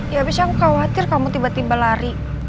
ya abis itu aku khawatir kamu tiba tiba lari